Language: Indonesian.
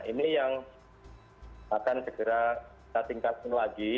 ini yang akan segera ketinggalkan lagi